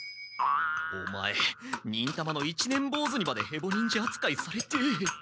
オマエ忍たまの一年ぼうずにまでヘボ忍者あつかいされて。